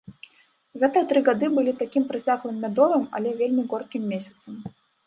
Гэтыя тры гады былі такім працяглым мядовым, але вельмі горкім месяцам.